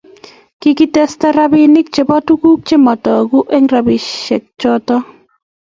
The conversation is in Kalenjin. Kikitesta rapinik che pa tukul che mataku en rapishek choton